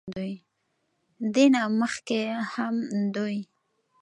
دې نه مخکښې هم دوي